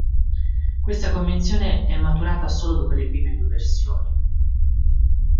Questa convenzione è maturata solo dopo le prime due versioni.